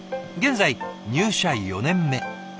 現在入社４年目。